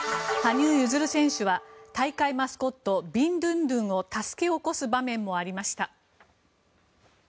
羽生結弦選手は大会マスコットビンドゥンドゥンを助け起こす場面もありました。